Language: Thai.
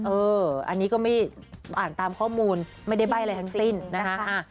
เอออันนี้ก็ไม่อ่านตามข้อมูลไม่ได้ใบ้อะไรทั้งสิ้นนะคะ